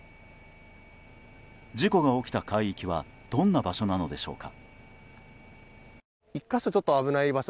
事故が起きた海域はどんな場所なのでしょうか。